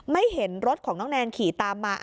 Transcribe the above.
เห็นรถของน้องแนนขี่ตามมา